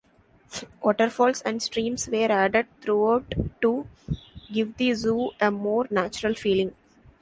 Waterfalls and streams were added throughout to give the zoo a more natural feeling.